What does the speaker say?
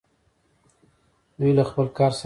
دوی له خپل کار سره مینه لري.